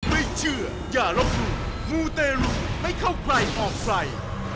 ไม่เชื่ออย่าล้มลูกมูเตรุให้เข้าใกล้ออกไฟ